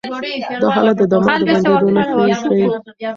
دا حالت د دماغ د بندېدو نښې ښيي.